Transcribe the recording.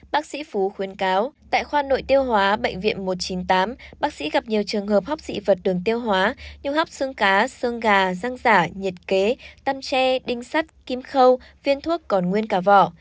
bác sĩ phú khuyến cáo tại khoa nội tiêu hóa bệnh viện một trăm chín mươi tám bác sĩ gặp nhiều trường hợp hóc dị vật đường tiêu hóa như hấp xương cá xương gà răng giả nhiệt kế tâm tre đinh sắt kim khâu viên thuốc còn nguyên cả vỏ